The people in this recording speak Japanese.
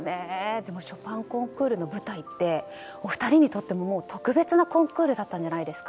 でもショパンコンクールの舞台ってお二人にとっても特別なコンクールだったんじゃないですか？